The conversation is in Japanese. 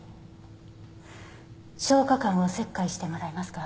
消化管を切開してもらえますか？